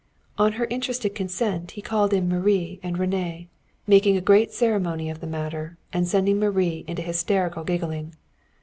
On her interested consent he called in Marie and René, making a great ceremony of the matter, and sending Marie into hysterical giggling.